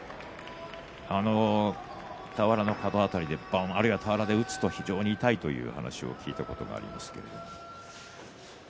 俵の角辺りであるいは俵で打つと非常に痛いという話を聞いたことがあります。